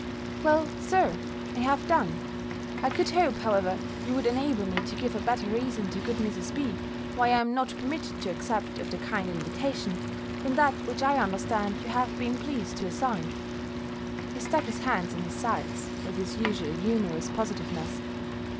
"Well, Sir, I have done. I could hope, however, you would enable me to give a better reason to good Mrs. B. why I am not permitted to accept of the kind invitation, than that which I understand you have been pleased to assign." He stuck his hands in his sides, with his usual humourous positiveness.